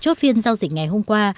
chốt phiên giao dịch ngày hôm qua